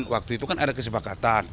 waktu itu kan ada kesepakatan